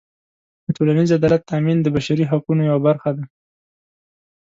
د ټولنیز عدالت تأمین د بشري حقونو یوه برخه ده.